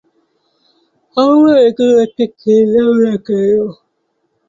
আমরা ওগুলোর একটা কিনলাম না কেন?